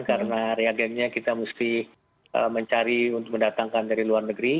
karena reagennya kita mesti mencari untuk mendatangkan dari luar negeri